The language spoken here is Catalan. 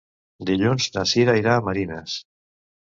Dilluns na Sira irà a Marines.